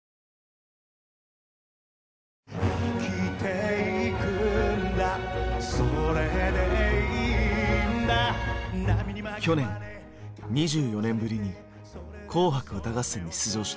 去年２４年ぶりに「紅白歌合戦」に出場した玉置浩二。